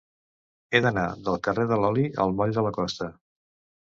He d'anar del carrer de l'Oli al moll de la Costa.